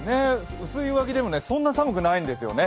薄い上着でも、そんな寒くないんですよね。